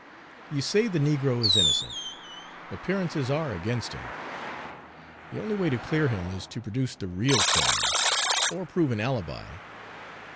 You say the negro is innocent. Appearances are against him. The only way to clear him is to produce the real criminal, or prove an alibi.